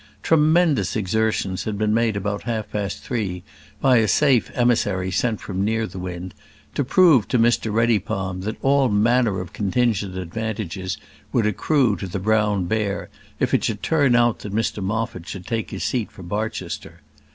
Tremendous exertions had been made about half past three, by a safe emissary sent from Nearthewinde, to prove to Mr Reddypalm that all manner of contingent advantages would accrue to the Brown Bear if it should turn out that Mr Moffat should take his seat for Barchester.